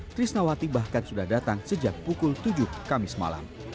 trisnawati bahkan sudah datang sejak pukul tujuh kamis malam